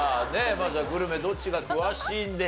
まずはグルメどっちが詳しいんでしょうか？